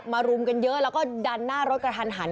รุมกันเยอะแล้วก็ดันหน้ารถกระทันหัน